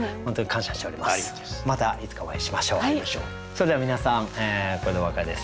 それでは皆さんこれでお別れです。